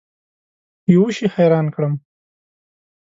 یوه شي حیران کړم.